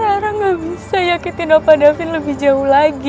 kanan aran gak bisa yakitn opa davin lebih jauh lagi